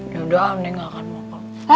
yaudah am nih gak akan makan